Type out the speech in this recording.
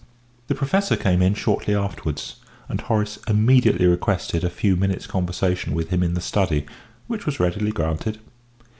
The Professor came in shortly afterwards, and Horace immediately requested a few minutes' conversation with him in the study, which was readily granted.